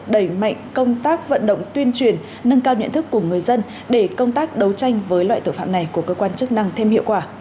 đẩy mạnh công tác vận động tuyên truyền nâng cao nhận thức của người dân để công tác đấu tranh với loại tội phạm này của cơ quan chức năng thêm hiệu quả